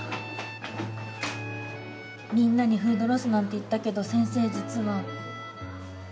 みんなにフードロスなんて言ったけど先生実は。